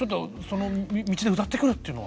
道で歌ってくるっていうのは。